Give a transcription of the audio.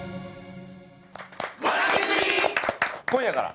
今夜から。